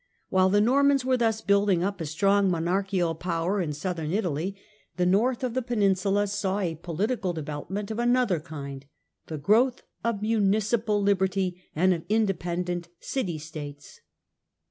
While the Normans were thus building up a strong monarchical power in Southern Rise of the Italy, the north of the peninsula saw a political develop communes ment of another kind, the growth of municipal liberty and of independent city states.